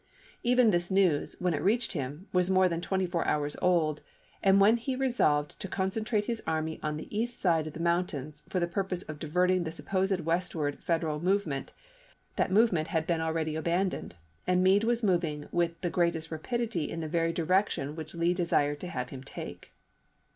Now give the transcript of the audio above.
Even this news, when it reached him, was more than twenty four hours old, and when he resolved to concentrate his army on the east side of the moun tains for the purpose of diverting the supposed westward Federal movement, that movement had been already abandoned, and Meade was moving with the greatest rapidity in the very direction which Lee desired to have him take.